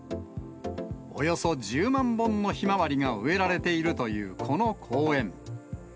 およそ１０万本のひまわりが植えられているというこの公園。